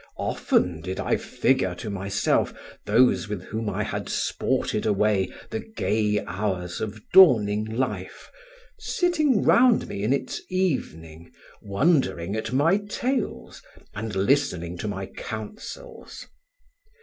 Often did I figure to myself those with whom I had sported away the gay hours of dawning life, sitting round me in its evening, wondering at my tales and listening to my counsels.